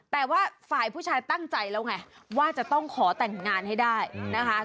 แต่ว่าฝ่ายผู้ชายตั้งใจแล้วไงว่าจะต้องขอแต่งงานให้ได้นะคะ